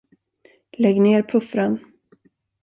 Lägg ned puffran.